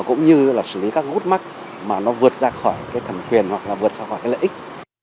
cũng như là xử lý các ngút mắc mà nó vượt ra khỏi cái thần quyền hoặc là vượt ra khỏi cái lợi ích